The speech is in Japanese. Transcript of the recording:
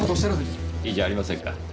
亀山君いいじゃありませんか。